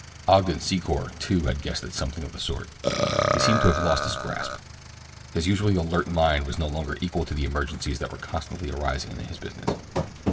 Ogden Secor, too, had guessed at something of the sort. He seemed to have lost his grasp. His usually alert mind was no longer equal to the emergencies that were constantly arising in his business.